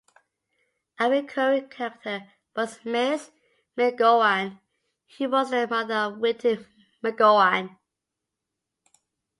A recurring character was Mrs. McGowan, who was the mother of Whitey McGowan.